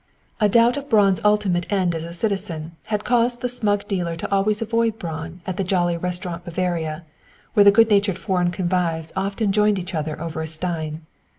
A doubt of Braun's ultimate end as a citizen had caused the smug dealer to always avoid Braun at the jolly Restaurant Bavaria, where the good natured foreign convives often joined each other over a stein.